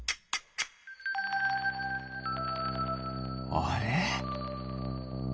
あれ？